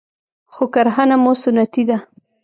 خو کرهنه مو سنتي ده